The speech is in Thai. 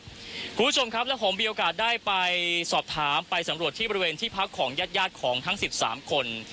คุณผู้ชมครับและผมมีโอกาสได้ไปสอบถามไปสำรวจที่บริเวณที่พักของญาติของทั้ง๑๓คน